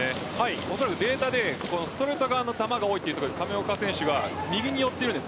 おそらくデータでこのストレート川野、玉が多いというところで亀岡選手が右に寄っているんです。